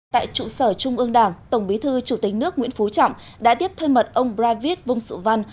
tại trụ sở trung ương đảng tổng bí thư chủ tịch nước nguyễn phú trọng đã tiếp thân mật ông pravit vong su van